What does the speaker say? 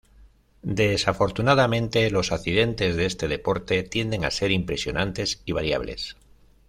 Desafortunadamente los accidentes de este deporte tienden a ser impresionantes y variables.